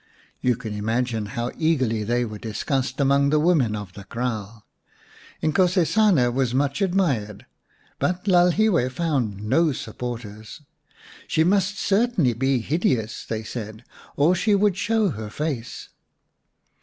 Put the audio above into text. You can imagine how eagerly they were discussed among the women of the kraal. Inkosesana was much admired, but Lalhiwe found no supporters. " She must certainly be hideous," they said, "or she would show her face."